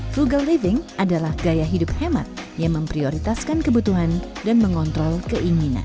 frugal living adalah gaya hidup hemat yang memprioritaskan kebutuhan dan mengontrol keinginan